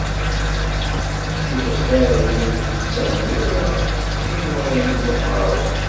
Ttif xiṛ win ur nettamen wala imuḍinen n uqeṛṛu.